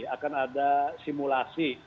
akan ada simulasi